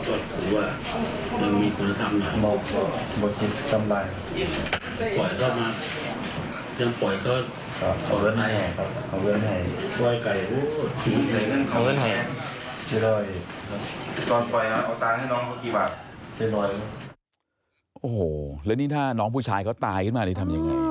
โอ้โหแล้วนี่ถ้าน้องผู้ชายเขาตายขึ้นมานี่ทำยังไง